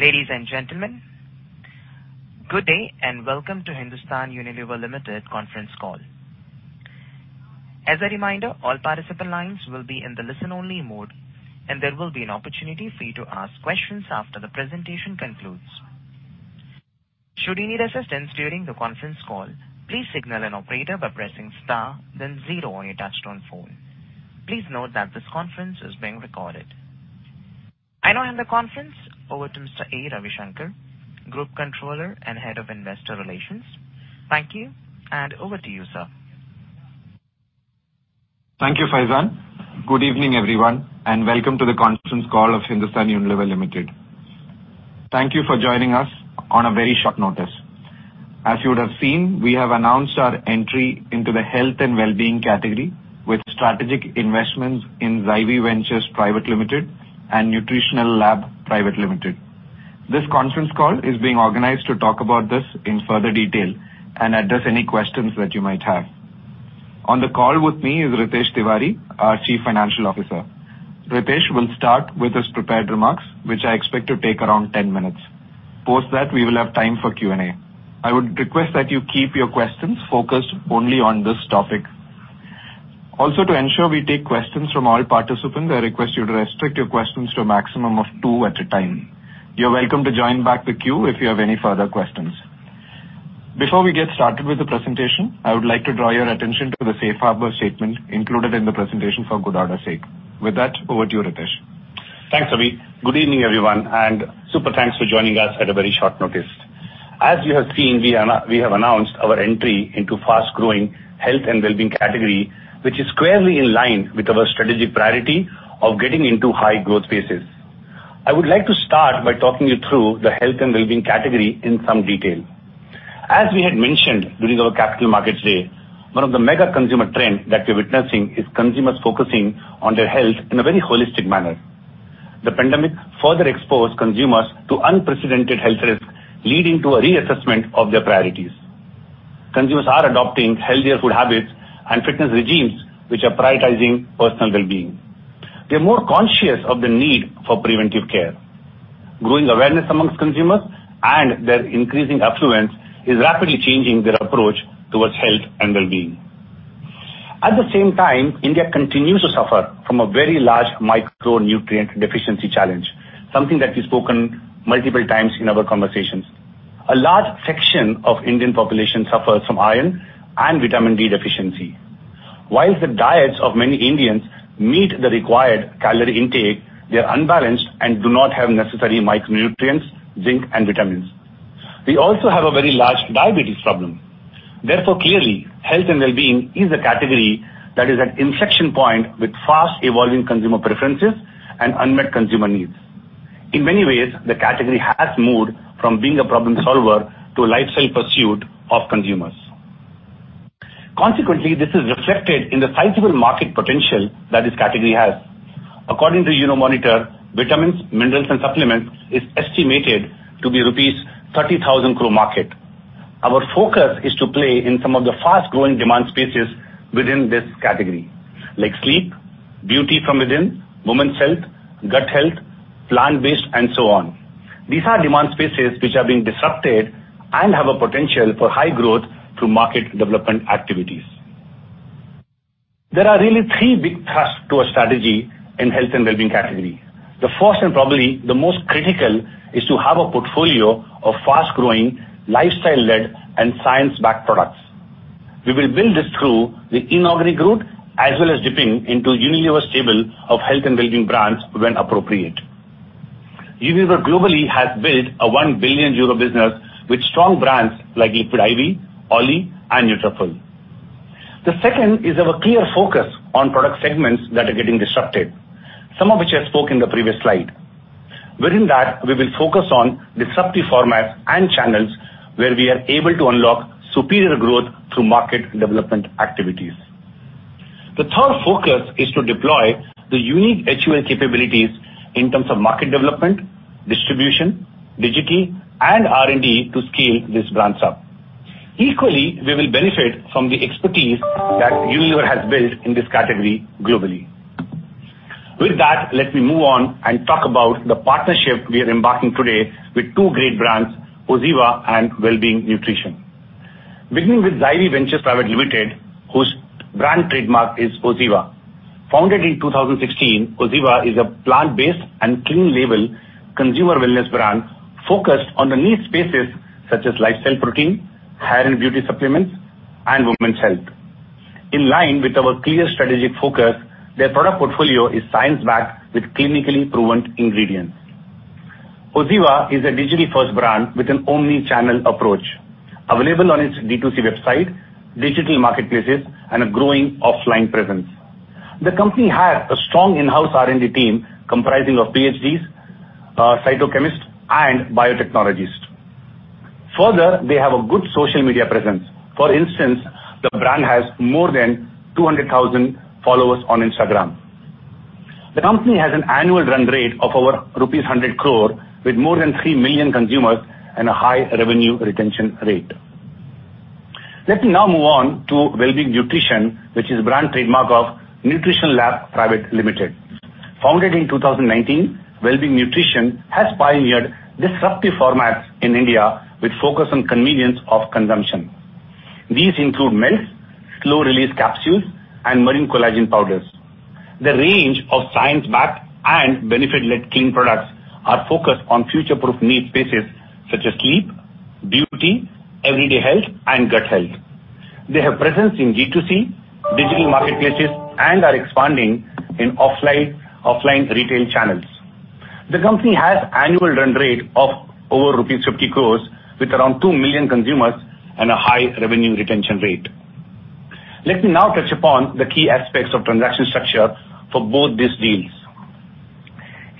Ladies and gentlemen, good day and welcome to Hindustan Unilever Limited conference call. As a reminder, all participant lines will be in the listen-only mode, and there will be an opportunity for you to ask questions after the presentation concludes. Should you need assistance during the conference call, please signal an operator by pressing star then zero on your touchtone phone. Please note that this conference is being recorded. I now hand the conference over to Mr. A. Ravishankar, Group Controller and Head of Investor Relations. Thank you, and over to you, sir. Thank you, Faizan. Good evening, everyone, welcome to the conference call of Hindustan Unilever Limited. Thank you for joining us on a very short notice. As you would have seen, we have announced our entry into the health and wellbeing category with strategic investments in Zywie Ventures Private Limited and Nutritionalab Private Limited. This conference call is being organized to talk about this in further detail and address any questions that you might have. On the call with me is Ritesh Tiwari, our Chief Financial Officer. Ritesh will start with his prepared remarks, which I expect to take around 10 minutes. Post that, we will have time for Q&A. I would request that you keep your questions focused only on this topic. To ensure we take questions from all participants, I request you to restrict your questions to a maximum of two at a time. You're welcome to join back the queue if you have any further questions. Before we get started with the presentation, I would like to draw your attention to the safe harbor statement included in the presentation for good order's sake. With that, over to you, Ritesh. Thanks, Ravi. Good evening, everyone, super thanks for joining us at a very short notice. As you have seen, we have announced our entry into fast-growing health and wellbeing category, which is squarely in line with our strategic priority of getting into high-growth spaces. I would like to start by talking you through the health and wellbeing category in some detail. As we had mentioned during our Capital Markets Day, one of the mega consumer trend that we're witnessing is consumers focusing on their health in a very holistic manner. The pandemic further exposed consumers to unprecedented health risks, leading to a reassessment of their priorities. Consumers are adopting healthier food habits and fitness regimes which are prioritizing personal wellbeing. They're more conscious of the need for preventive care. Growing awareness amongst consumers and their increasing affluence is rapidly changing their approach towards health and wellbeing. India continues to suffer from a very large micronutrient deficiency challenge, something that we've spoken multiple times in our conversations. A large section of Indian population suffers from iron and vitamin D deficiency. The diets of many Indians meet the required calorie intake, they're unbalanced and do not have necessary micronutrients, zinc and vitamins. We also have a very large diabetes problem. Clearly, health and wellbeing is a category that is at inflection point with fast-evolving consumer preferences and unmet consumer needs. In many ways, the category has moved from being a problem solver to a lifestyle pursuit of consumers. This is reflected in the sizable market potential that this category has. According to Euromonitor, vitamins, minerals and supplements is estimated to be rupees 30,000 crore market. Our focus is to play in some of the fast-growing demand spaces within this category, like sleep, beauty from within, women's health, gut health, plant-based, and so on. These are demand spaces which are being disrupted and have a potential for high growth through market development activities. There are really three big thrust to our strategy in health and wellbeing category. The first, and probably the most critical, is to have a portfolio of fast-growing, lifestyle-led and science-backed products. We will build this through the inorganic route, as well as dipping into Unilever's stable of health and wellbeing brands when appropriate. Unilever globally has built a 1 billion euro business with strong brands like Liquid I.V., OLLY and Nutrafol. The second is our clear focus on product segments that are getting disrupted, some of which I spoke in the previous slide. Within that, we will focus on disruptive formats and channels where we are able to unlock superior growth through market development activities. The third focus is to deploy the unique HUL capabilities in terms of market development, distribution, digital and R&D to scale these brands up. Equally, we will benefit from the expertise that Unilever has built in this category globally. With that, let me move on and talk about the partnership we are embarking today with two great brands, OZiva and Wellbeing Nutrition. Beginning with Zywie Ventures Private Limited, whose brand trademark is OZiva. Founded in 2016, OZiva is a plant-based and clean label consumer wellness brand focused on the niche spaces such as lifestyle protein, hair and beauty supplements and women's health. In line with our clear strategic focus, their product portfolio is science-backed with clinically proven ingredients. OZiva is a digitally-first brand with an omni-channel approach, available on its D2C website, digital marketplaces, and a growing offline presence. The company has a strong in-house R&D team comprising of PhDs, phytochemists and biotechnologists. They have a good social media presence. For instance, the brand has more than 200,000 followers on Instagram. The company has an annual run rate of over 100 crore with more than 3 million consumers and a high revenue retention rate. Let me now move on to Wellbeing Nutrition, which is brand trademark of Nutritionalab Private Limited. Founded in 2019, Wellbeing Nutrition has pioneered disruptive formats in India with focus on convenience of consumption. These include melts, slow release capsules, and marine collagen powders. The range of science-backed and benefit-led clean products are focused on future-proof need spaces such as sleep, beauty, everyday health, and gut health. They have presence in D2C digital marketplaces and are expanding in offline retail channels. The company has annual run rate of over rupees 50 crores with around 2 million consumers and a high revenue retention rate. Let me now touch upon the key aspects of transaction structure for both these deals.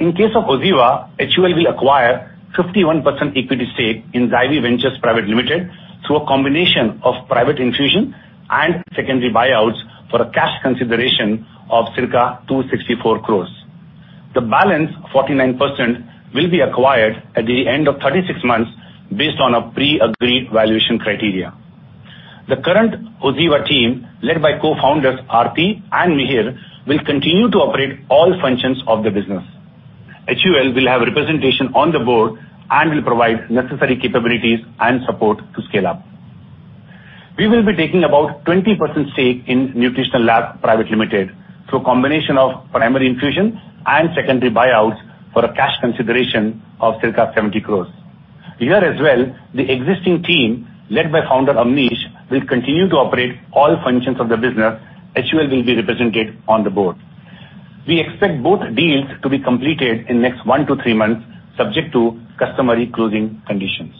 In case of OZiva, HUL will acquire 51% equity stake in Zywie Ventures Private Limited through a combination of private infusion and secondary buyouts for a cash consideration of circa 264 crores. The balance 49% will be acquired at the end of 36 months based on a pre-agreed valuation criteria. The current OZiva team, led by cofounders Aarti and Mihir, will continue to operate all functions of the business. HUL will have representation on the board and will provide necessary capabilities and support to scale up. We will be taking about 20% stake in Nutritionalab Private Limited through a combination of primary infusion and secondary buyouts for a cash consideration of circa 70 crores. Here as well, the existing team, led by founder Avnish, will continue to operate all functions of the business. HUL will be represented on the board. We expect both deals to be completed in next 1-3 months, subject to customary closing conditions.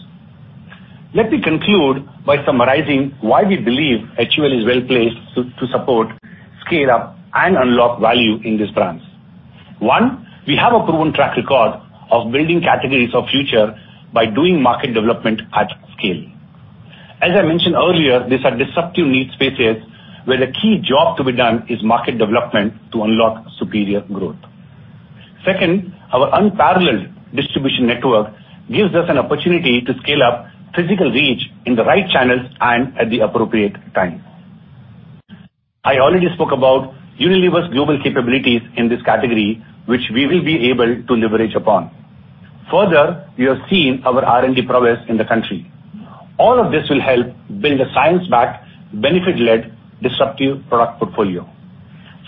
Let me conclude by summarizing why we believe HUL is well placed to support, scale up, and unlock value in these brands. One, we have a proven track record of building categories of future by doing market development at scale. As I mentioned earlier, these are disruptive need spaces where the key job to be done is market development to unlock superior growth. Second, our unparalleled distribution network gives us an opportunity to scale up physical reach in the right channels and at the appropriate time. I already spoke about Unilever's global capabilities in this category, which we will be able to leverage upon. You have seen our R&D prowess in the country. All of this will help build a science-backed, benefit-led, disruptive product portfolio.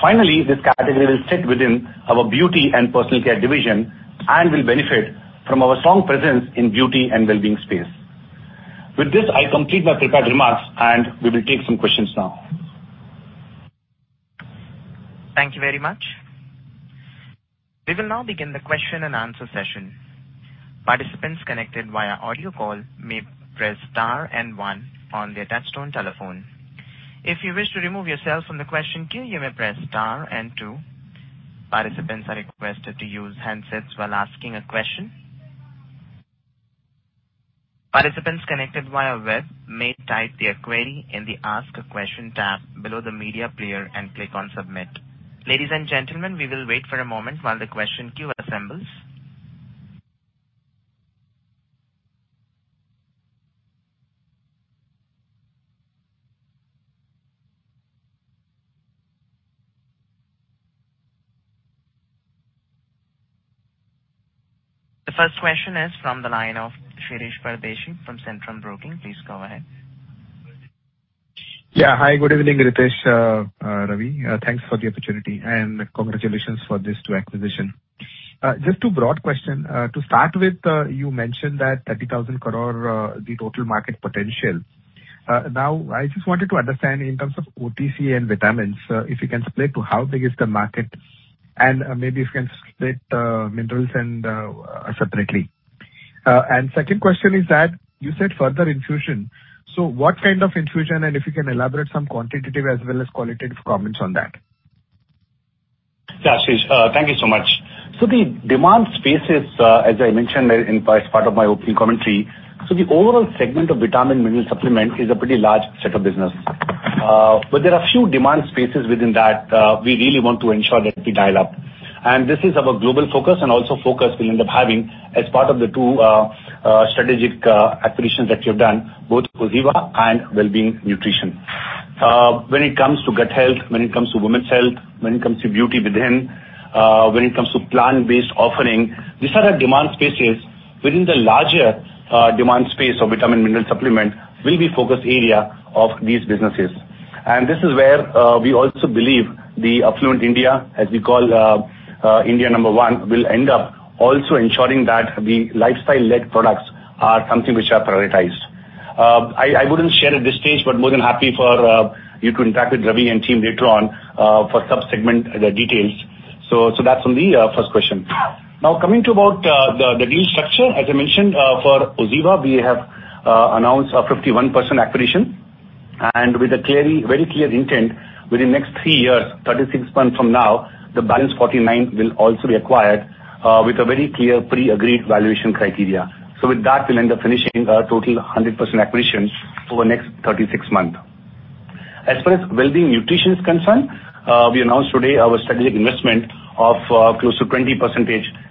This category will sit within our beauty and personal care division and will benefit from our strong presence in beauty and wellbeing space. With this, I complete my prepared remarks, and we will take some questions now. Thank you very much. We will now begin the question and answer session. Participants connected via audio call may press star and 1 on their touch-tone telephone. If you wish to remove yourself from the question queue, you may press star and 2. Participants are requested to use handsets while asking a question. Participants connected via web may type their query in the Ask a Question tab below the media player and click on Submit. Ladies and gentlemen, we will wait for a moment while the question queue assembles. The first question is from the line of Shirish Pardeshi from Centrum Broking. Please go ahead. Yeah. Hi. Good evening, Ritesh, Ravi. Thanks for the opportunity and congratulations for these two acquisition. Just two broad question. To start with, you mentioned that 30,000 crore, the total market potential. Now I just wanted to understand in terms of OTC and vitamins, if you can split to how big is the market, and, maybe if you can split, minerals and, separately. Second question is that you said further infusion, so what kind of infusion, and if you can elaborate some quantitative as well as qualitative comments on that. Yeah, Shirish. Thank you so much. The demand spaces, as I mentioned in, as part of my opening commentary, the overall segment of vitamin mineral supplement is a pretty large set of business. There are a few demand spaces within that we really want to ensure that we dial up. This is our global focus and also focus we'll end up having as part of the two strategic acquisitions that we have done, both OZiva and Wellbeing Nutrition. When it comes to gut health, when it comes to women's health, when it comes to beauty within, when it comes to plant-based offering, these are the demand spaces within the larger demand space of vitamin mineral supplement will be focus area of these businesses. This is where we also believe the affluent India, as we call India number one, will end up also ensuring that the lifestyle-led products are something which are prioritized. I wouldn't share at this stage, but more than happy for you to interact with Ravi and team later on for subsegment details. That's on the first question. Coming to about the deal structure, as I mentioned, for OZiva, we have announced a 51% acquisition and with a clearly, very clear intent within next 3 years, 36 months from now, the balance 49 will also be acquired with a very clear pre-agreed valuation criteria. With that we'll end up finishing a total 100% acquisition over next 36 month. As far as Wellbeing Nutrition is concerned, we announced today our strategic investment of close to 20%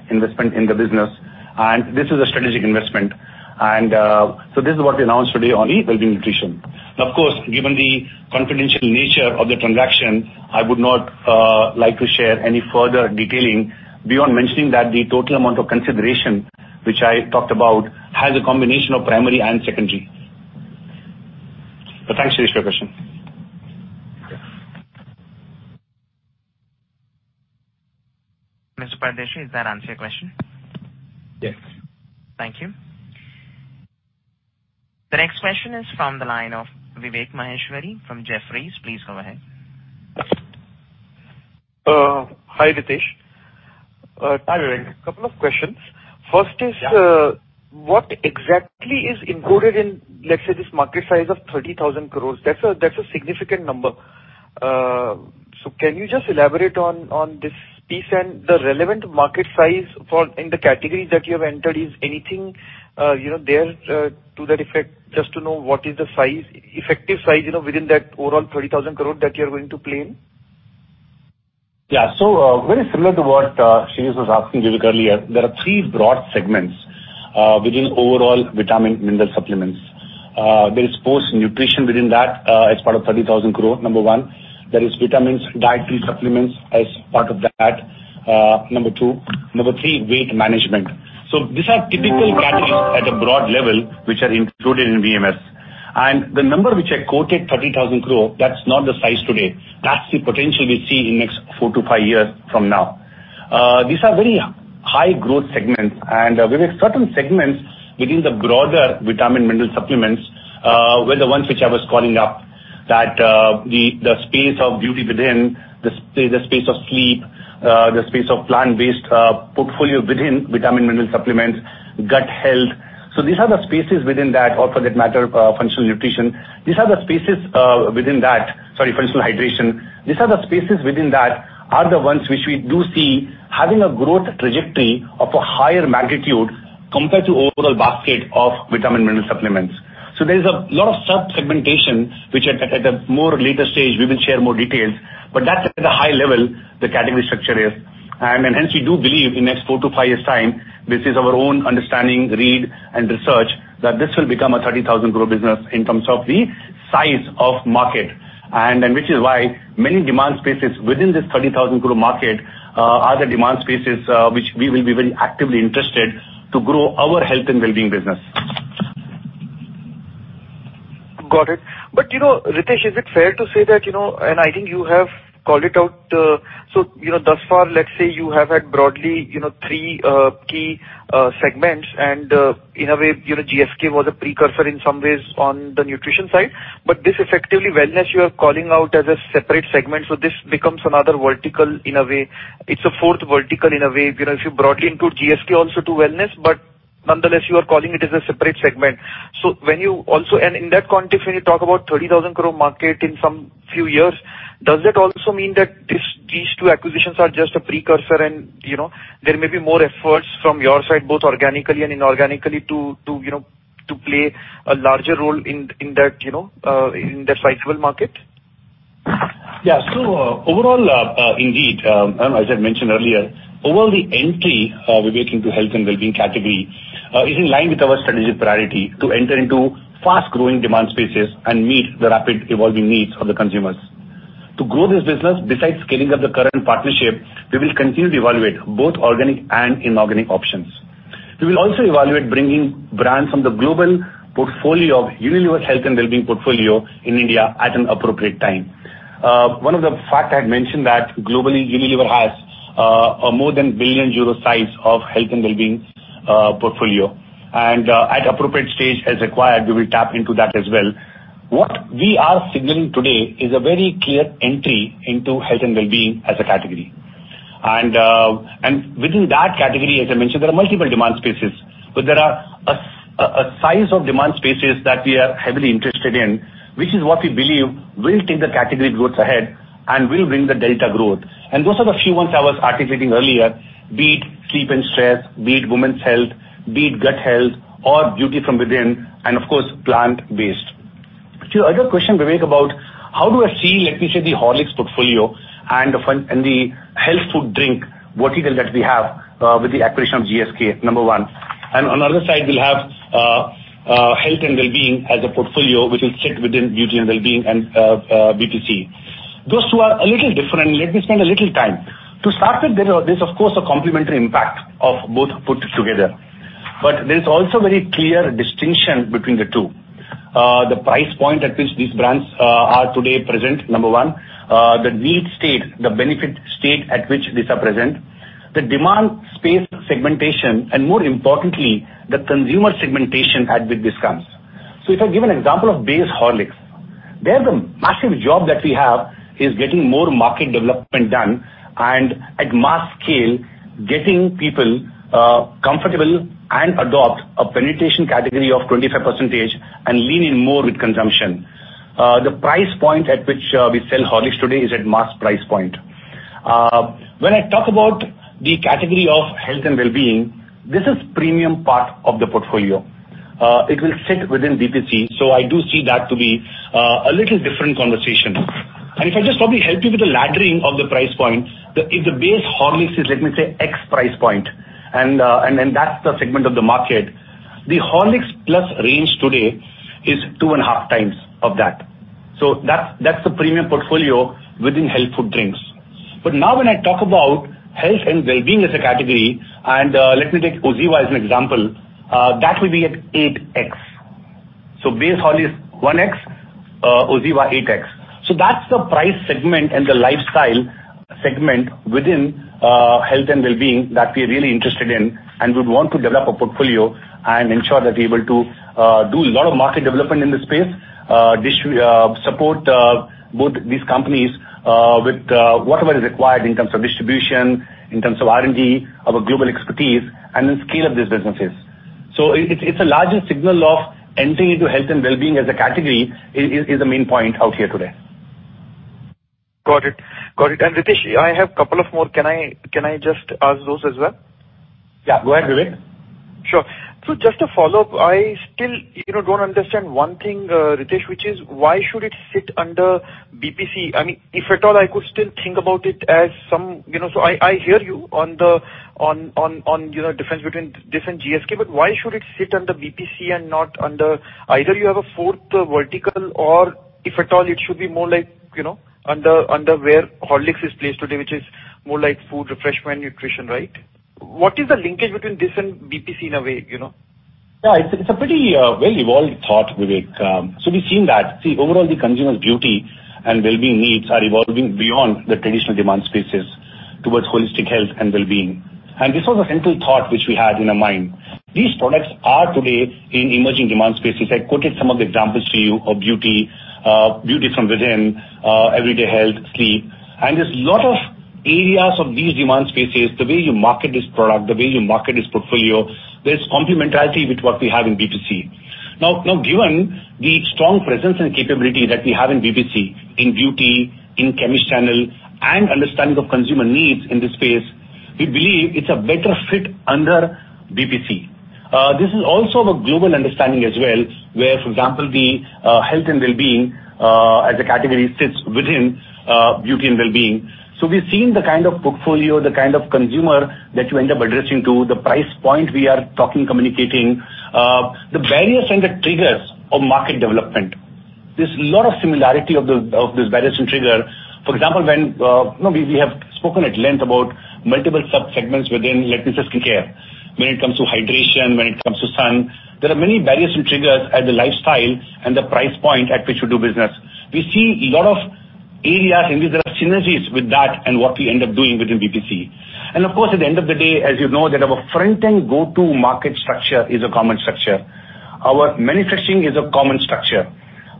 investment in the business, and this is a strategic investment. This is what we announced today on Wellbeing Nutrition. Of course, given the confidential nature of the transaction, I would not like to share any further detailing beyond mentioning that the total amount of consideration which I talked about has a combination of primary and secondary. Thanks, Shirish, for your question. Mr. Pardeshi, does that answer your question? Yes. Thank you. The next question is from the line of Vivek Maheshwari from Jefferies. Please go ahead. Hi, Ritesh. Hi, Vivek. A couple of questions. First is- Yeah. What exactly is included in, let's say, this market size of 30,000 crores? That's a, that's a significant number. Can you just elaborate on this piece and the relevant market size in the category that you have entered, is anything, you know, there, to that effect, just to know what is the size, effective size, you know, within that overall 30,000 crore that you're going to play in? Yeah. very similar to what Shirish was asking, Vivek, earlier. There are three broad segments within overall vitamin mineral supplements. There is sports nutrition within that as part of 30,000 crore, number 1. There is vitamins, dietary supplements as part of that, number 2. Number 3, weight management. These are typical categories at a broad level which are included in VMS. The number which I quoted, 30,000 crore, that's not the size today. That's the potential we see in next 4 to 5 years from now. These are very high growth segments, and there were certain segments within the broader vitamin mineral supplements were the ones which I was calling out, that the space of beauty within, the space of sleep, the space of plant-based portfolio within vitamin mineral supplements, gut health. These are the spaces within that, or for that matter, functional nutrition. These are the spaces within that. Sorry, functional hydration. These are the spaces within that are the ones which we do see having a growth trajectory of a higher magnitude compared to overall basket of vitamin mineral supplements. There is a lot of sub-segmentation which at a more later stage we will share more details, but that's at the high level the category structure is. Hence we do believe in next four to five years' time, this is our own understanding, read, and research, that this will become an 30,000 crore business in terms of the size of market. Which is why many demand spaces within this 30,000 crore market are the demand spaces which we will be very actively interested to grow our health and wellbeing business. Got it. You know, Ritesh, is it fair to say that, you know, and I think you have called it out, so, you know, thus far, let's say, you have had broadly, you know, 3 key segments, and in a way, you know, GSK was a precursor in some ways on the nutrition side. This effectively, wellness you are calling out as a separate segment, so this becomes another vertical in a way. It's a 4th vertical in a way. You know, if you broadly include GSK also to wellness, but nonetheless, you are calling it as a separate segment. When you talk about 30,000 crore market in some few years, does that also mean that this, these two acquisitions are just a precursor and, you know, there may be more efforts from your side, both organically and inorganically, to, you know, to play a larger role in that, you know, in that sizable market? Overall, indeed, as I mentioned earlier, overall the entry we make into health and wellbeing category is in line with our strategic priority to enter into fast-growing demand spaces and meet the rapid evolving needs of the consumers. To grow this business, besides scaling up the current partnership, we will continue to evaluate both organic and inorganic options. We will also evaluate bringing brands from the global portfolio of Unilever Health and Wellbeing portfolio in India at an appropriate time. One of the fact I had mentioned that globally Unilever has a more than 1 billion euro size of health and wellbeing portfolio. At appropriate stage as required, we will tap into that as well. What we are signaling today is a very clear entry into health and wellbeing as a category. Within that category, as I mentioned, there are a size of demand spaces that we are heavily interested in, which is what we believe will take the category growth ahead and will bring the delta growth. Those are the few ones I was articulating earlier, be it sleep and stress, be it women's health, be it gut health or beauty from within and of course, plant-based. To your other question, Vivek, about how do I see, let me say, the Horlicks portfolio and the health food drink vertical that we have with the acquisition of GSK, number one. On the other side, we'll have Health and Wellbeing as a portfolio which will sit within Beauty and Wellbeing and BTC. Those two are a little different. Let me spend a little time. To start with, there's of course a complementary impact of both put together. There's also very clear distinction between the two. The price point at which these brands are today present, number one. The need state, the benefit state at which these are present. The demand space segmentation, and more importantly, the consumer segmentation at which this comes. If I give an example of base Horlicks, there the massive job that we have is getting more market development done and at mass scale, getting people comfortable and adopt a penetration category of 25% and lean in more with consumption. The price point at which we sell Horlicks today is at mass price point. When I talk about the category of health and wellbeing, this is premium part of the portfolio. It will sit within BPC, so I do see that to be a little different conversation. If I just probably help you with the laddering of the price point, the, if the base Horlicks is, let me say, X price point, and then that's the segment of the market. The Horlicks Plus range today is 2.5 times of that. That's the premium portfolio within health food drinks. Now when I talk about health and wellbeing as a category, and let me take OZiva as an example, that will be at 8x. Base Horlicks 1x, OZiva 8x. That's the price segment and the lifestyle segment within health and wellbeing that we're really interested in and would want to develop a portfolio and ensure that we're able to do a lot of market development in this space, support both these companies, with whatever is required in terms of distribution, in terms of R&D, our global expertise and then scale up these businesses. It's a larger signal of entering into health and wellbeing as a category is the main point out here today. Got it. Got it. Ritesh, I have a couple of more. Can I just ask those as well? Yeah, go ahead, Vivek. Sure. Just a follow-up. I still, you know, don't understand one thing, Ritesh, which is why should it sit under BPC? I mean, if at all, I could still think about it as some, you know. I hear you on the, you know, difference between different GSK, why should it sit under BPC and not under either you have a fourth vertical or if at all, it should be more like, you know, under where Horlicks is placed today, which is more like food, refreshment, nutrition, right? What is the linkage between this and BPC in a way, you know? Yeah, it's a pretty well-evolved thought, Vivek. We've seen that. See, overall, the consumer's beauty and wellbeing needs are evolving beyond the traditional demand spaces towards holistic health and wellbeing. This was a central thought which we had in our mind. These products are today in emerging demand spaces. I quoted some of the examples to you of beauty from within, everyday health, sleep. There's lot of areas of these demand spaces, the way you market this product, the way you market this portfolio, there's complementarity with what we have in BPC. Now, given the strong presence and capability that we have in BPC, in beauty, in chemist channel, and understanding of consumer needs in this space, we believe it's a better fit under BPC. This is also of a global understanding as well, where, for example, the health and wellbeing as a category sits within beauty and wellbeing. We've seen the kind of portfolio, the kind of consumer that you end up addressing to, the price point we are talking, communicating, the barriers and the triggers of market development. There's a lot of similarity of this barriers and trigger. For example, when you know, we have spoken at length about multiple sub-segments within, let me say, skin care. When it comes to hydration, when it comes to sun, there are many barriers and triggers at the lifestyle and the price point at which you do business. We see a lot of areas in which there are synergies with that and what we end up doing within BPC. Of course, at the end of the day, as you know, that our front end go-to market structure is a common structure. Our manufacturing is a common structure.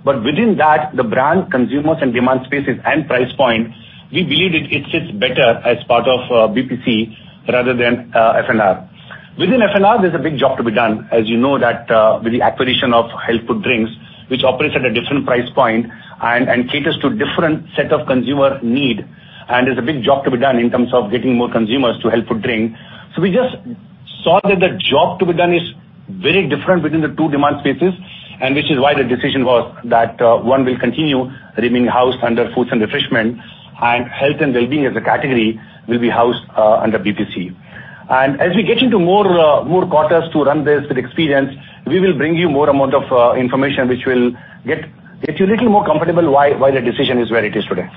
Within that, the brand, consumers and demand spaces and price point, we believe it sits better as part of BPC rather than FNR. Within FNR, there's a big job to be done. As you know that, with the acquisition of health food drinks, which operates at a different price point and caters to different set of consumer need, and there's a big job to be done in terms of getting more consumers to health food drink. We just saw that the job to be done is very different within the two demand spaces, and which is why the decision was that one will continue remain housed under Foods & Refreshment, and Health & Wellbeing as a category will be housed under BPC. As we get into more quarters to run this with experience, we will bring you more amount of information which will get you a little more comfortable why the decision is where it is today.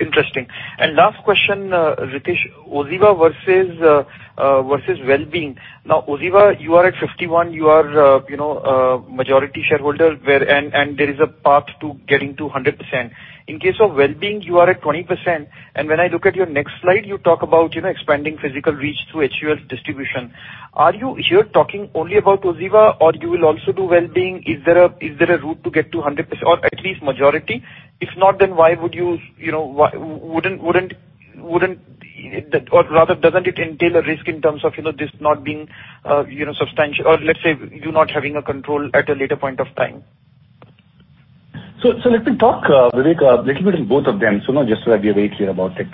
Interesting. Last question, Ritesh, OZiva versus versus Wellbeing Nutrition. Now, OZiva, you are at 51, you are, you know, a majority shareholder where... there is a path to getting to 100%. In case of Wellbeing Nutrition, you are at 20%. When I look at your next slide, you talk about, you know, expanding physical reach through HUL distribution. Are you here talking only about OZiva or you will also do Wellbeing Nutrition? Is there a route to get to 100% or at least majority? If not, then why would you know, why... wouldn't or rather, doesn't it entail a risk in terms of, you know, this not being, you know, substantial or let's say you not having a control at a later point of time? Let me talk, Vivek, little bit in both of them, so now just so that we are very clear about it.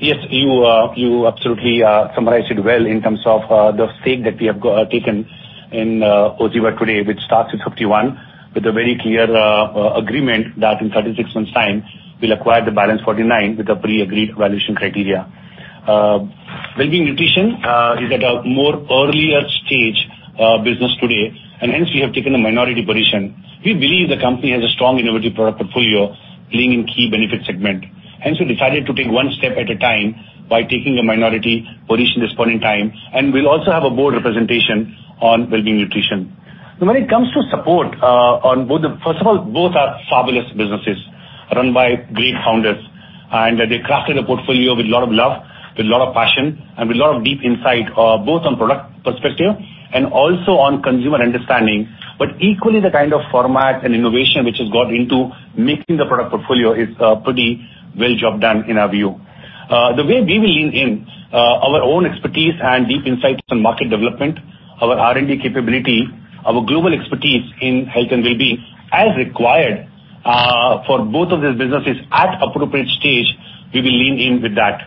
Yes, you absolutely summarized it well in terms of the stake that we have taken in OZiva today, which starts at 51, with a very clear agreement that in 36 months time we'll acquire the balance 49 with a pre-agreed valuation criteria. Wellbeing Nutrition is at a more earlier stage business today, and hence we have taken a minority position. We believe the company has a strong innovative product portfolio playing in key benefit segment. Hence, we decided to take one step at a time by taking a minority position this point in time. We'll also have a board representation on Wellbeing Nutrition. When it comes to support, first of all, both are fabulous businesses run by great founders, they crafted a portfolio with a lot of love, with a lot of passion, and with a lot of deep insight, both on product perspective and also on consumer understanding. Equally, the kind of format and innovation which has got into making the product portfolio is pretty well job done in our view. The way we will lean in, our own expertise and deep insights on market development, our R&D capability, our global expertise in health and wellbeing, as required, for both of these businesses at appropriate stage, we will lean in with that.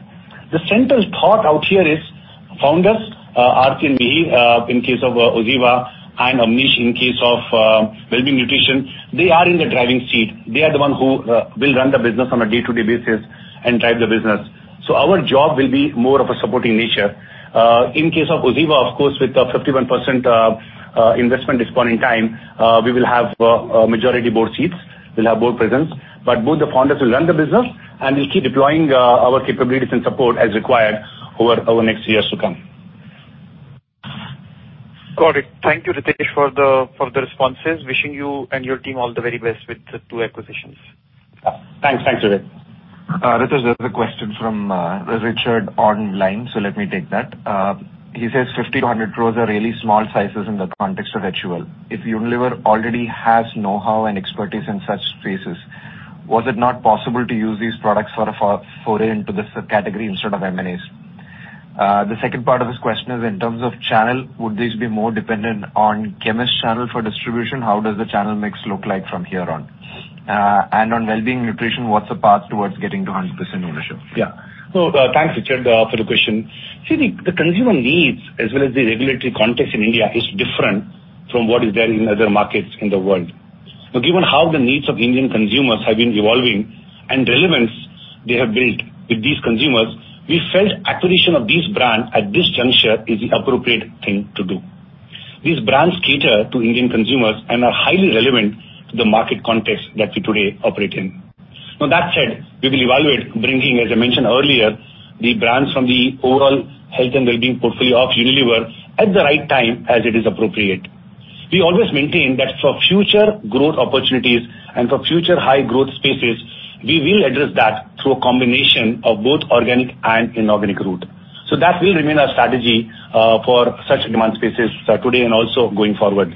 The central thought out here is founders, Aarti and Mihir, in case of OZiva, and Amish in case of Wellbeing Nutrition, they are in the driving seat. They are the one who will run the business on a day-to-day basis and drive the business. Our job will be more of a supporting nature. In case of OZiva, of course, with the 51% investment this point in time, we will have a majority board seats. We'll have board presence. Both the founders will run the business and we'll keep deploying our capabilities and support as required over our next years to come. Got it. Thank you, Ritesh, for the responses. Wishing you and your team all the very best with the two acquisitions. Yeah. Thanks. Thanks, Vivek. Ritesh, there's a question from Richard online, so let me take that. He says 50-100 crores are really small sizes in the context of HUL. If Unilever already has know-how and expertise in such spaces, was it not possible to use these products for a foray into the subcategory instead of M&As? The second part of his question is in terms of channel, would these be more dependent on chemist channel for distribution? How does the channel mix look like from here on? On Wellbeing Nutrition, what's the path towards getting to 100% ownership? Thanks, Richard, for the question. See, the consumer needs as well as the regulatory context in India is different from what is there in other markets in the world. Given how the needs of Indian consumers have been evolving and relevance they have built with these consumers, we felt acquisition of these brand at this juncture is the appropriate thing to do. These brands cater to Indian consumers and are highly relevant to the market context that we today operate in. That said, we will evaluate bringing, as I mentioned earlier, the brands from the overall health and wellbeing portfolio of Unilever at the right time as it is appropriate. We always maintain that for future growth opportunities and for future high growth spaces, we will address that through a combination of both organic and inorganic route. That will remain our strategy for such demand spaces today and also going forward.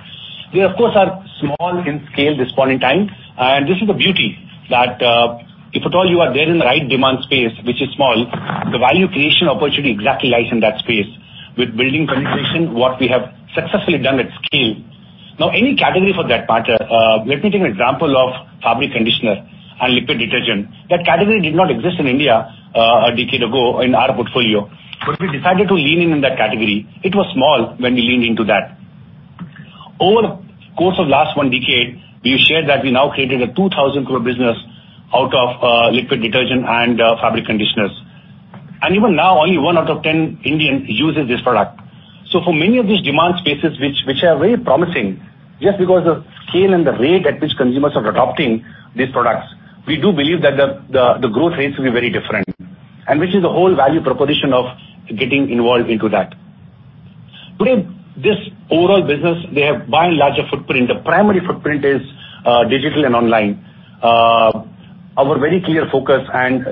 We of course are small in scale this point in time, and this is the beauty that if at all you are there in the right demand space, which is small, the value creation opportunity exactly lies in that space with building penetration, what we have successfully done at scale. Any category for that matter, let me take an example of fabric conditioner and liquid detergent. That category did not exist in India a decade ago in our portfolio. We decided to lean in that category. It was small when we leaned into that. Over the course of last one decade, we shared that we now created a 2,000 crore business out of liquid detergent and fabric conditioners. Even now, only one out of 10 Indians uses this product. For many of these demand spaces which are very promising, just because the scale and the rate at which consumers are adopting these products, we do believe that the growth rates will be very different, and which is the whole value proposition of getting involved into that. Today, this overall business, they have by and large a footprint. The primary footprint is digital and online. Our very clear focus and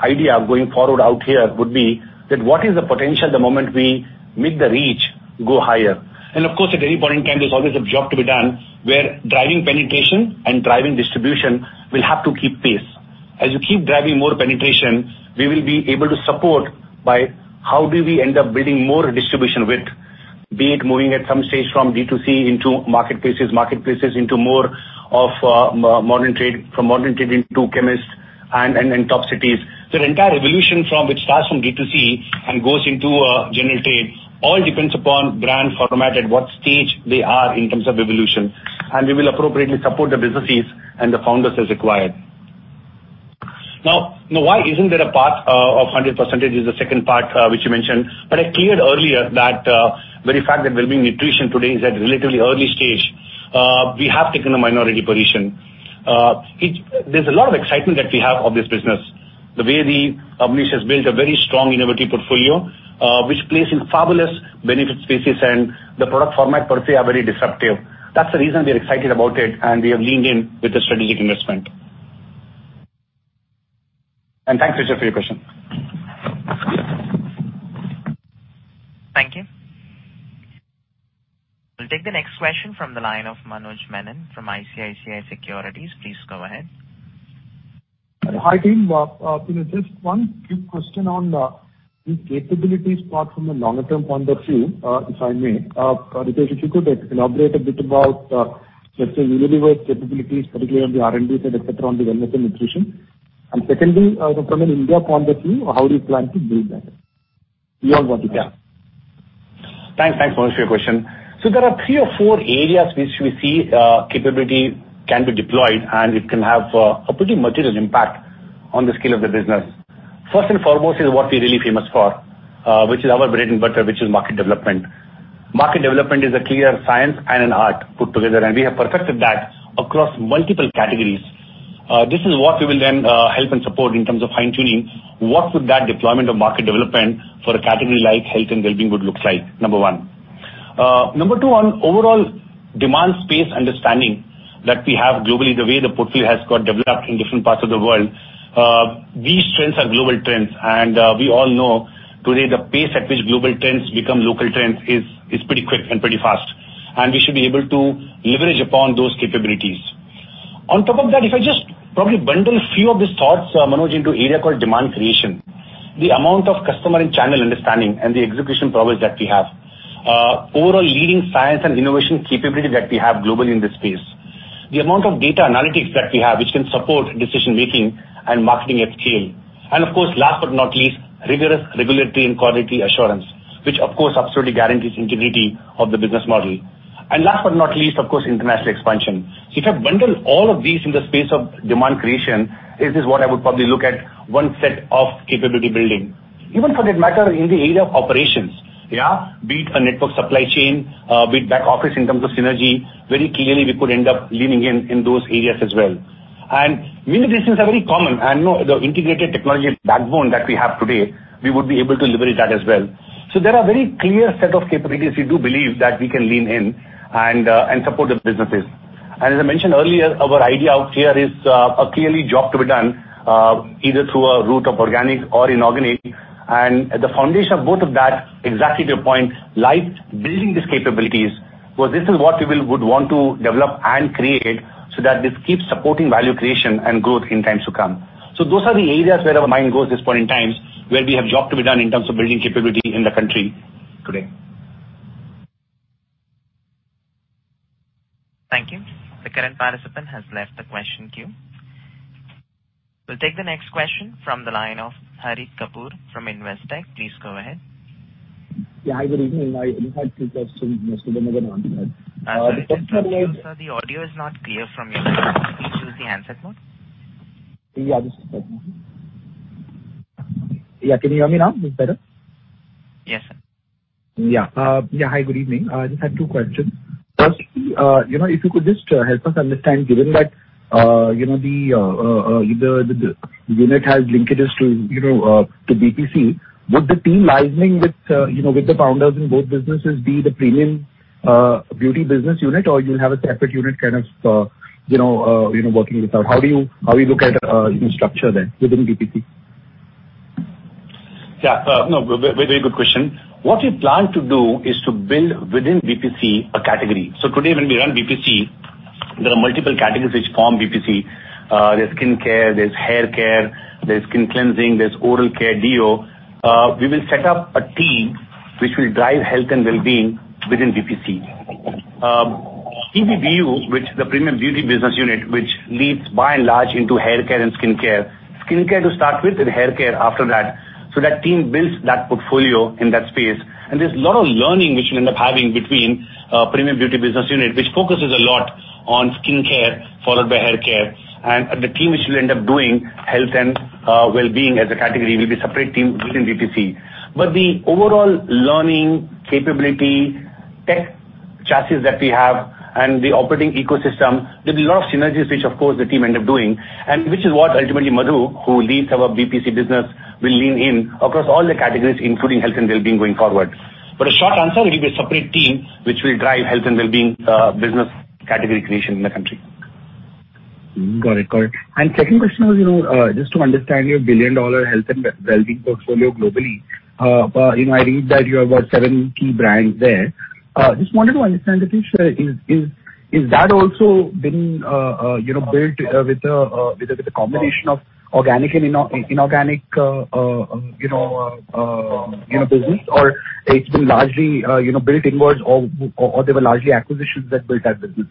idea going forward out here would be that what is the potential the moment we make the reach go higher? Of course, at any point in time, there's always a job to be done where driving penetration and driving distribution will have to keep pace. As you keep driving more penetration, we will be able to support by how do we end up building more distribution width, be it moving at some stage from D2C into marketplaces into more of modern trade, from modern trade into chemists and top cities. The entire evolution from which starts from D2C and goes into general trade all depends upon brand format, at what stage they are in terms of evolution. We will appropriately support the businesses and the founders as required. Now, why isn't there a path of 100% is the second part which you mentioned, but I cleared earlier that very fact that Wellbeing Nutrition today is at relatively early stage, we have taken a minority position. There's a lot of excitement that we have of this business. The way Avnish has built a very strong innovative portfolio, which plays in fabulous benefit spaces and the product format per se are very disruptive. That's the reason we are excited about it and we have leaned in with the strategic investment. Thanks, Richard, for your question. Thank you. We'll take the next question from the line of Manoj Menon from ICICI Securities. Please go ahead. Hi, team. you know, just 1 quick question on the capabilities part from a longer term point of view, if I may. Ritesh, if you could elaborate a bit about, let's say, Unilever's capabilities, particularly on the R&D side, et cetera, on the Wellbeing Nutrition. Secondly, from an India point of view, how do you plan to build that? Beyond what you can. Thanks. Thanks, Manoj, for your question. There are 3 or 4 areas which we see, capability can be deployed and it can have a pretty material impact on the scale of the business. First and foremost is what we're really famous for, which is our bread and butter which is market development. Market development is a clear science and an art put together, and we have perfected that across multiple categories. This is what we will then help and support in terms of fine-tuning. What would that deployment of market development for a category like health and wellbeing would look like? Number 1. Number 2, on overall demand space understanding that we have globally, the way the portfolio has got developed in different parts of the world, these trends are global trends. We all know today the pace at which global trends become local trends is pretty quick and pretty fast, and we should be able to leverage upon those capabilities. On top of that, if I just probably bundle a few of these thoughts, Manoj, into area called demand creation, the amount of customer and channel understanding and the execution prowess that we have, overall leading science and innovation capability that we have globally in this space. The amount of data analytics that we have, which can support decision-making and marketing at scale, and of course, last but not least, rigorous regulatory and quality assurance, which of course absolutely guarantees integrity of the business model. Last but not least, of course, international expansion. If I bundle all of these in the space of demand creation, this is what I would probably look at one set of capability building. Even for that matter, in the area of operations, yeah, be it a network supply chain, be it back office in terms of synergy, very clearly we could end up leaning in those areas as well. Many of these things are very common, and no integrated technology backbone that we have today, we would be able to leverage that as well. There are very clear set of capabilities we do believe that we can lean in and support the businesses. As I mentioned earlier, our idea out here is a clearly job to be done, either through a route of organic or inorganic. The foundation of both of that, exactly to your point, lies building these capabilities, because this is what we would want to develop and create so that this keeps supporting value creation and growth in times to come. Those are the areas where our mind goes this point in time, where we have job to be done in terms of building capability in the country today. Thank you. The current participant has left the question queue. We'll take the next question from the line of Harit Kapoor from Investec. Please go ahead. Yeah. Hi, good evening. I just have two questions. Sir, the audio is not clear from your end. Please use the handset mode. Yeah. Can you hear me now? Is it better? Yes, sir. Yeah. Yeah. Hi, good evening. I just have two questions. First, you know, if you could just help us understand, given that, you know, the unit has linkages to, you know, to BPC, would the team liaising with, you know, with the founders in both businesses be the Premium Beauty Business Unit, or you'll have a separate unit kind of, you know, working with How do you, how do you look at, you know, structure there within BPC? Very good question. What we plan to do is to build within BPC a category. Today when we run BPC, there are multiple categories which form BPC. There's skincare, there's haircare, there's skin cleansing, there's oral care, deo. We will set up a team which will drive health and well-being within BPC. PBBU, which is the Premium Beauty Business Unit, which leads by and large into haircare and skincare. Skincare to start with and haircare after that. That team builds that portfolio in that space, and there's a lot of learning which we end up having between Premium Beauty Business Unit, which focuses a lot on skincare, followed by haircare. The team which will end up doing health and well-being as a category will be separate team within BPC. The overall learning capability, tech chassis that we have and the operating ecosystem, there'll be a lot of synergies which of course the team end up doing and which is what ultimately Madhu, who leads our BPC business, will lean in across all the categories, including health and well-being going forward. A short answer, it will be a separate team which will drive health and well-being business category creation in the country. Got it. Got it. second question was, you know, just to understand your billion-dollar health and well-being portfolio globally. you know, I read that you have seven key brands there. just wanted to understand, Sanjiv, is that also been, you know, built with the combination of organic and inorganic, you know, business or it's been largely, you know, built inwards or they were largely acquisitions that built that business?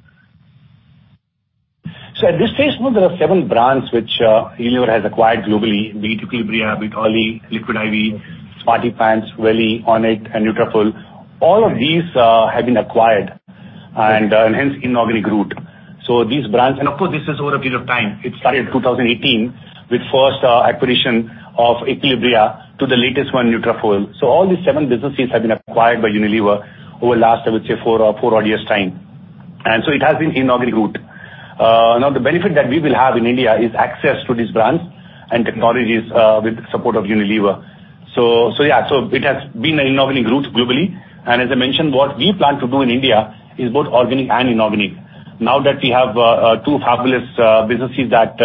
At this stage, there are seven brands which Unilever has acquired globally, be Equilibria, be it OLLY, Liquid I.V., SmartyPants, Welly, Onnit and Nutrafol. All of these have been acquired and hence inorganic route. These brands. Of course, this is over a period of time. It started 2018 with first acquisition of Equilibria to the latest one, Nutrafol. So all these seven businesses have been acquired by Unilever over the last, I would say four odd years' time. It has been inorganic route. Now the benefit that we will have in India is access to these brands and technologies with support of Unilever. So yeah. So it has been an inorganic route globally. As I mentioned, what we plan to do in India is both organic and inorganic. Now that we have two fabulous businesses that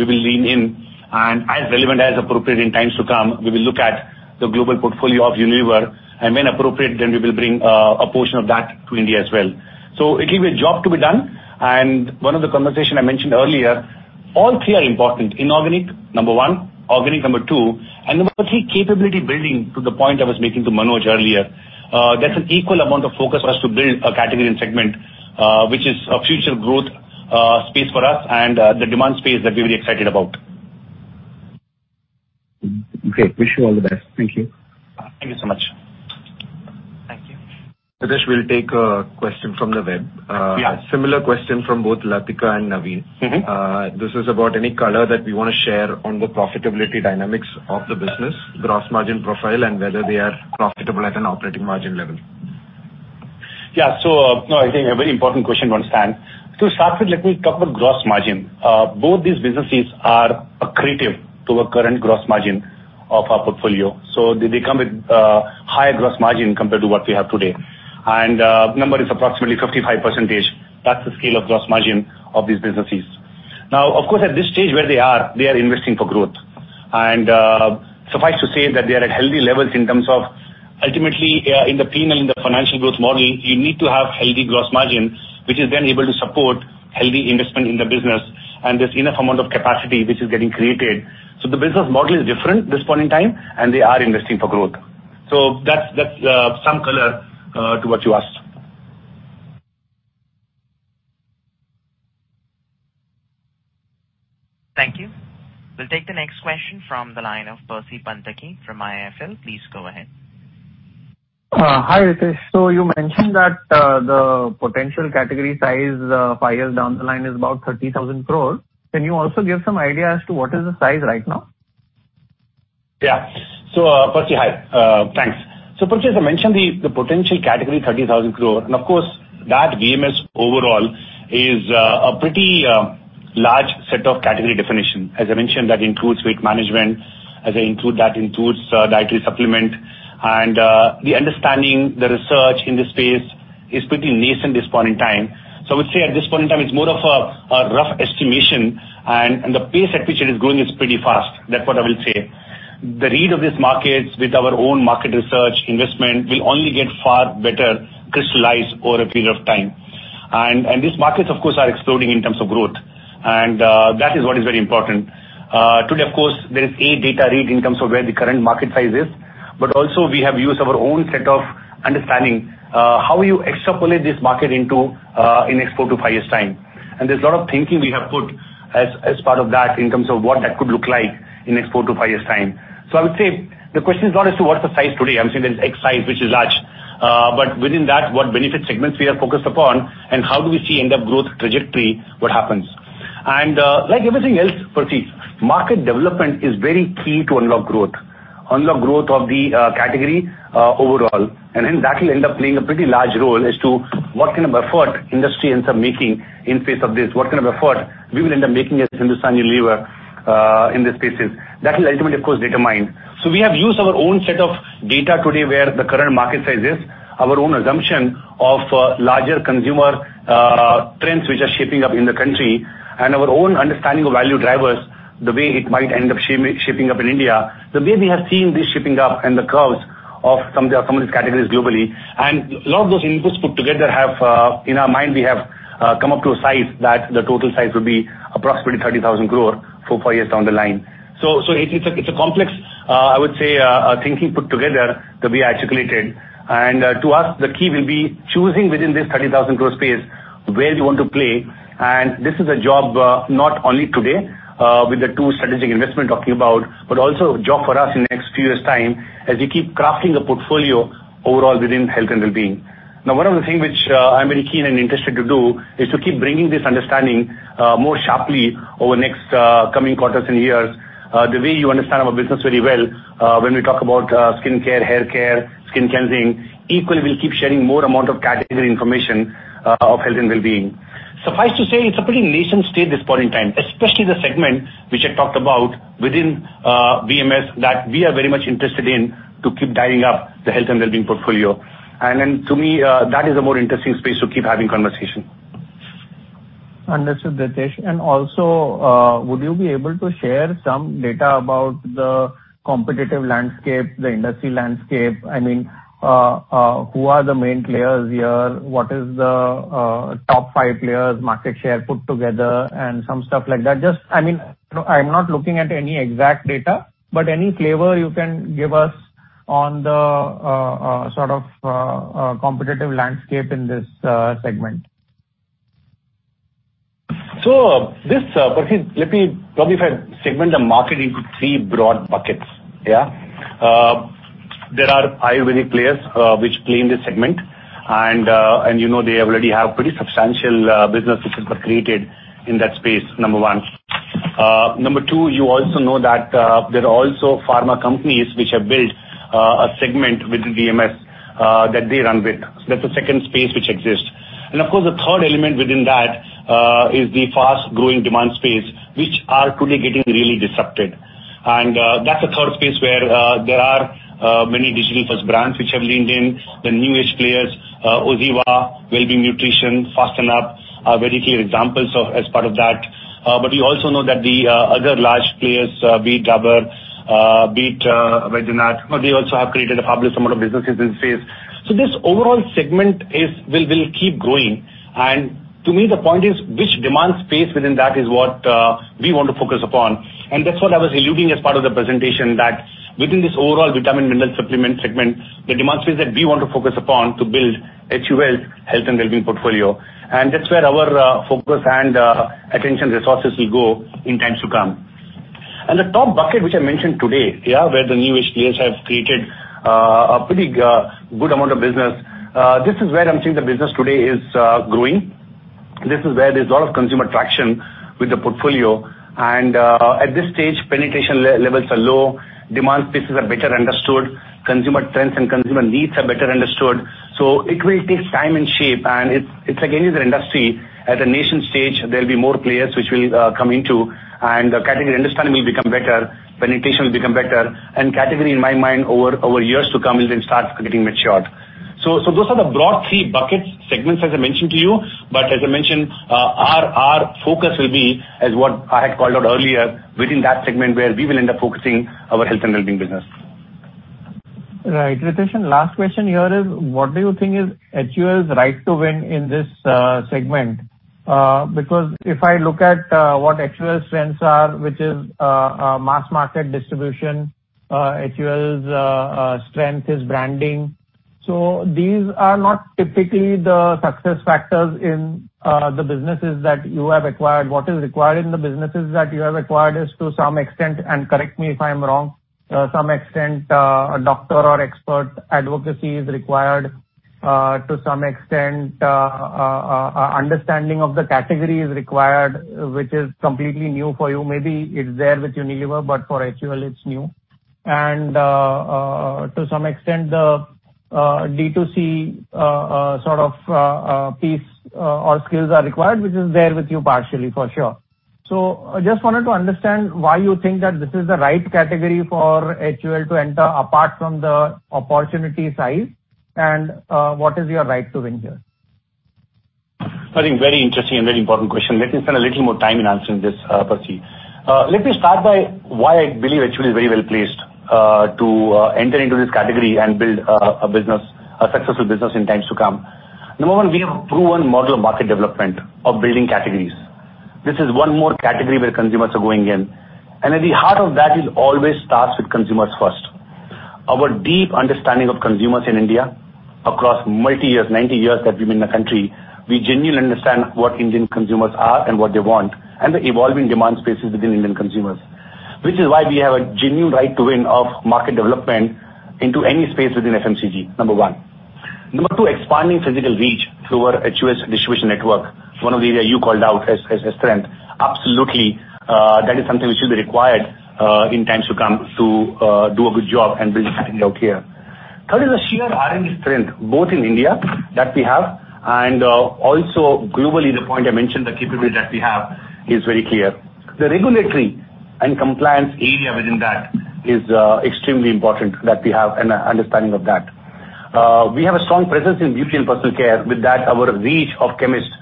we will lean in and as relevant, as appropriate in times to come, we will look at the global portfolio of Unilever and when appropriate, then we will bring a portion of that to India as well. It will be a job to be done. One of the conversation I mentioned earlier, all three are important. Inorganic, number one, organic, number two, and number three, capability building to the point I was making to Manoj earlier. That's an equal amount of focus for us to build a category and segment which is a future growth space for us and the demand space that we're very excited about. Okay. Wish you all the best. Thank you. Thank you so much. Thank you. Sanjiv Mehta, we'll take a question from the web. Yeah. Similar question from both Latika and Naveen. Mm-hmm. This is about any color that we wanna share on the profitability dynamics of the business, gross margin profile, and whether they are profitable at an operating margin level. Yeah. No, I think a very important question to understand. To start with, let me talk about gross margin. Both these businesses are accretive to our current gross margin of our portfolio. They come with higher gross margin compared to what we have today. Number is approximately 55%. That's the scale of gross margin of these businesses. Now, of course, at this stage where they are, they are investing for growth. Suffice to say that they are at healthy levels in terms of ultimately, in the premium, in the financial growth model, you need to have healthy gross margin, which is then able to support healthy investment in the business and there's enough amount of capacity which is getting created. The business model is different this point in time, and they are investing for growth. That's some color to what you asked. Thank you. We'll take the next question from the line of Percy Panthaki from IIFL. Please go ahead. Hi, Ritesh. You mentioned that the potential category size 5 years down the line is about 30,000 crores. Can you also give some idea as to what is the size right now? Yeah. Percy, hi, thanks. Percy, as I mentioned, the potential category, 30,000 crore, and of course, that VMS overall is a pretty large set of category definition. As I mentioned, that includes weight management, as I include that includes dietary supplement. The understanding, the research in this space is pretty nascent this point in time. I would say at this point in time, it's more of a rough estimation and the pace at which it is growing is pretty fast. That's what I will say. The read of these markets with our own market research investment will only get far better crystallized over a period of time. These markets, of course, are exploding in terms of growth. That is what is very important. Today of course, there is a data read in terms of where the current market size is, but also we have used our own set of understanding, how you extrapolate this market into, in next 4 to 5 years' time. There's a lot of thinking we have put as part of that in terms of what that could look like in next 4 to 5 years' time. I would say the question is not as to what's the size today. I'm saying there's X size, which is large. Within that, what benefit segments we are focused upon and how do we see end up growth trajectory, what happens. Like everything else, Percy, market development is very key to unlock growth. Unlock growth of the category overall. That will end up playing a pretty large role as to what kind of effort industry ends up making in face of this, what kind of effort we will end up making as Hindustan Unilever in these spaces. That will ultimately, of course, data mine. We have used our own set of data today where the current market size is, our own assumption of larger consumer trends which are shaping up in the country and our own understanding of value drivers, the way it might end up shaping up in India. The way we have seen this shaping up and the curves of some of these categories globally, a lot of those inputs put together have in our mind, we have come up to a size that the total size will be approximately 30,000 crore for four years down the line. It's a complex, I would say, thinking put together that we articulated. To us, the key will be choosing within this 30,000 crore space where we want to play. This is a job not only today with the two strategic investment talking about, but also a job for us in the next few years' time as we keep crafting a portfolio overall within health and wellbeing. One of the things which I'm very keen and interested to do is to keep bringing this understanding more sharply over next coming quarters and years. The way you understand our business very well, when we talk about skincare, haircare, skin cleansing, equally, we'll keep sharing more amount of category information of health and wellbeing. Suffice to say it's a pretty nascent state this point in time, especially the segment which I talked about within VMS that we are very much interested in to keep dialing up the health and wellbeing portfolio. To me, that is a more interesting space to keep having conversation. Understood, Ritesh. Would you be able to share some data about the competitive landscape, the industry landscape? I mean, who are the main players here? What is the top five players market share put together and some stuff like that. Just, I mean, I'm not looking at any exact data, but any flavor you can give us on the sort of competitive landscape in this segment. This, Percy, if I segment the market into three broad buckets, yeah. There are Ayurvedic players which play in this segment and you know, they already have pretty substantial businesses which are created in that space, number one. Number two, you also know that there are also pharma companies which have built a segment within VMS that they run with. That's the second space which exists. Of course, the third element within that is the fast-growing demand space, which are today getting really disrupted. That's the third space where there are many digital-first brands which have leaned in. The new-ish players, OZiva, Wellbeing Nutrition, Fast&Up are very clear examples of as part of that. You also know that the other large players, be it Dabur, be it Baidyanath, they also have created a fabulous amount of businesses in this space. This overall segment will keep growing. To me, the point is which demand space within that is what we want to focus upon. That's what I was alluding as part of the presentation, that within this overall vitamin mineral supplement segment, the demand space that we want to focus upon to build HUL's health and wellbeing portfolio. That's where our focus and attention resources will go in times to come. The top bucket, which I mentioned today, where the new-ish players have created a pretty good amount of business, this is where I'm seeing the business today is growing. This is where there's a lot of consumer traction with the portfolio. At this stage, penetration levels are low, demand spaces are better understood, consumer trends and consumer needs are better understood. It will take time and shape, and it's like any other industry. At a nascent stage, there'll be more players which will come into, and the category understanding will become better, penetration will become better, and category, in my mind, over years to come will then start getting matured. Those are the broad three buckets segments as I mentioned to you. As I mentioned, our focus will be as what I had called out earlier within that segment where we will end up focusing our health and wellbeing business. Right. Ritesh, last question here is what do you think is HUL's right to win in this segment? Because if I look at what HUL's strengths are, which is mass market distribution, HUL's strength is branding. These are not typically the success factors in the businesses that you have acquired. What is required in the businesses that you have acquired is to some extent, and correct me if I'm wrong, some extent, a doctor or expert advocacy is required, to some extent, a understanding of the category is required, which is completely new for you. Maybe it's there with Unilever, but for HUL it's new. To some extent the D2C sort of piece or skills are required, which is there with you partially for sure. I just wanted to understand why you think that this is the right category for HUL to enter apart from the opportunity size and what is your right to win here? I think very interesting and very important question. Let me spend a little more time in answering this, Percy. Let me start by why I believe HUL is very well placed to enter into this category and build a business, a successful business in times to come. Number one, we have a proven model of market development of building categories. This is one more category where consumers are going in, and at the heart of that it always starts with consumers first. Our deep understanding of consumers in India across multi years, 90 years that we've been in the country, we genuinely understand what Indian consumers are and what they want, and the evolving demand spaces within Indian consumers, which is why we have a genuine right to win of market development into any space within FMCG. Number one. Number two, expanding physical reach through our HUL distribution network. One of the area you called out as strength. Absolutely, that is something which will be required in times to come to do a good job and build something out here. Third is the sheer R&D strength, both in India that we have and also globally. The point I mentioned, the capability that we have is very clear. The regulatory and compliance area within that is extremely important that we have an understanding of that. We have a strong presence in beauty and personal care. With that our reach of chemists,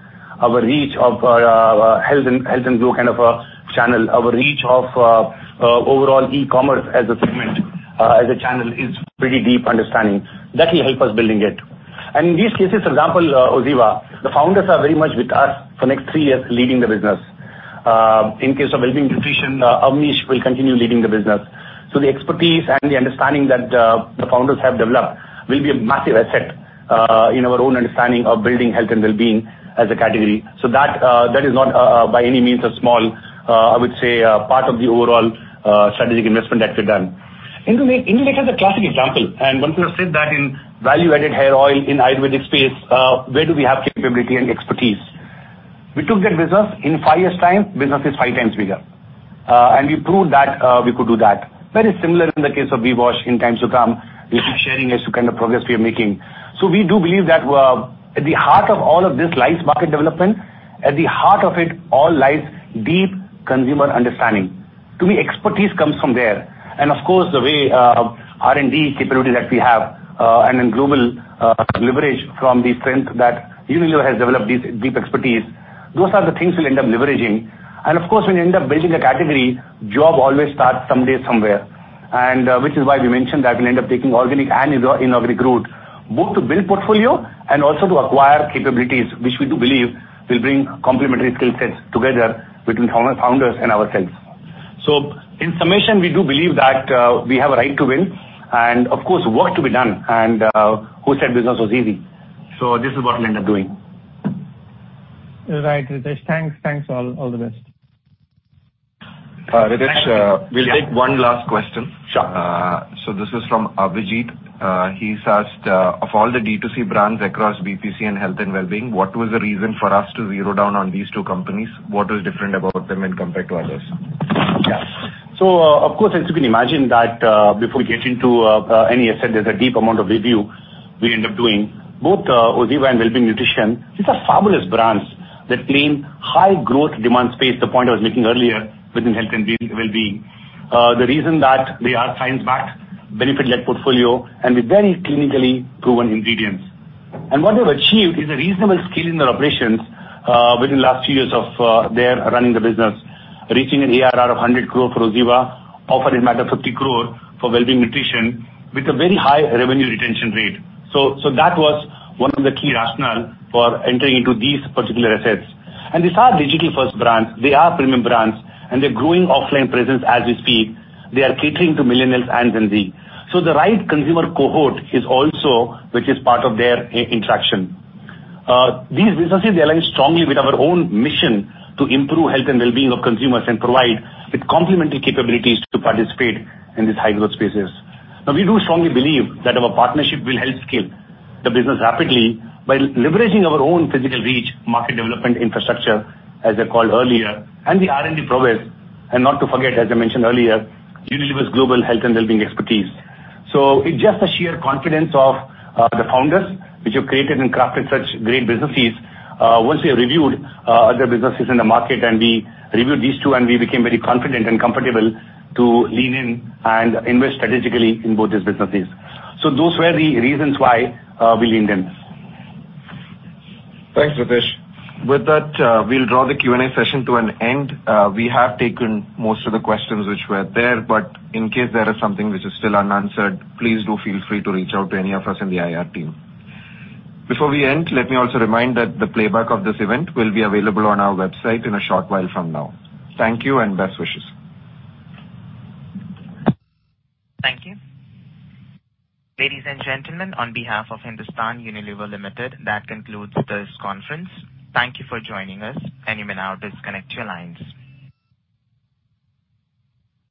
our reach of health and Beauty kind of a channel, our reach of overall e-commerce as a segment, as a channel is pretty deep understanding. That will help us building it. In these cases, for example, OZiva, the founders are very much with us for next 3 years leading the business. In case of Wellbeing Nutrition, Avnish will continue leading the business. The expertise and the understanding that the founders have developed will be a massive asset in our own understanding of building health and wellbeing as a category. That is not by any means a small, I would say, part of the overall strategic investment that we've done. Indulekha is a classic example. Once you have said that in value-added hair oil in Ayurvedic space, where do we have capability and expertise? We took that business in 5 years' time, business is 5 times bigger. We proved that we could do that. Very similar in the case of VWash in times to come. We'll keep sharing as to kind of progress we are making. We do believe that at the heart of all of this lies market development. At the heart of it all lies deep consumer understanding. To me, expertise comes from there. Of course, the way R&D capability that we have, and in global leverage from the strength that Unilever has developed deep, deep expertise, those are the things we'll end up leveraging. Of course, when you end up building a category, job always starts someday, somewhere. Which is why we mentioned that we'll end up taking organic and inorganic route, both to build portfolio and also to acquire capabilities, which we do believe will bring complementary skill sets together between founders and ourselves. In summation, we do believe that we have a right to win and of course, work to be done. Who said business was easy? This is what we'll end up doing. Right, Ritesh. Thanks. Thanks. All the best. Thank you. Ritesh, we'll take one last question. Sure. This is from Abhijeet. He's asked, of all the D2C brands across BPC and health and wellbeing, what was the reason for us to zero down on these two companies? What is different about them in compared to others? Yeah. Of course, as you can imagine that, before we get into any asset, there's a deep amount of review we end up doing. Both OZiva and Wellbeing Nutrition, these are fabulous brands that claim high growth demand space, the point I was making earlier within health and wellbeing. The reason that they are science-backed benefit-led portfolio and with very clinically proven ingredients. What they've achieved is a reasonable scale in their operations, within last few years of their running the business, reaching an ARR of 100 crore for OZiva, offer in matter of 50 crore for Wellbeing Nutrition with a very high revenue retention rate. That was one of the key rationale for entering into these particular assets. These are digital-first brands. They are premium brands, and they're growing offline presence as we speak. They are catering to millennials and Gen Z. The right consumer cohort is also which is part of their interaction. These businesses they align strongly with our own mission to improve health and wellbeing of consumers and provide with complementary capabilities to participate in these high growth spaces. We do strongly believe that our partnership will help scale the business rapidly by leveraging our own physical reach, market development infrastructure, as I called earlier, and the R&D prowess, and not to forget, as I mentioned earlier, Unilever's global health and wellbeing expertise. It's just the sheer confidence of the founders which have created and crafted such great businesses. Once we have reviewed other businesses in the market and we reviewed these two and we became very confident and comfortable to lean in and invest strategically in both these businesses. Those were the reasons why, we leaned in. Thanks, Ritesh. With that, we'll draw the Q&A session to an end. We have taken most of the questions which were there, in case there is something which is still unanswered, please do feel free to reach out to any of us in the IR team. Before we end, let me also remind that the playback of this event will be available on our website in a short while from now. Thank you and best wishes. Thank you. Ladies and gentlemen, on behalf of Hindustan Unilever Limited, that concludes this conference. Thank you for joining us, and you may now disconnect your lines.